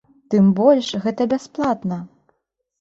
Тым больш, гэта бясплатна!